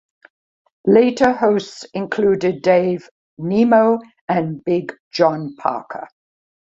Later hosts included Dave Nemo and Big John Parker.